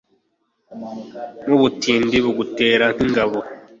Nubutindi bugutere nkingabo